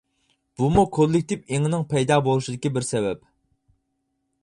بۇمۇ كوللېكتىپ ئېڭىنىڭ پەيدا بولۇشىدىكى بىر سەۋەب.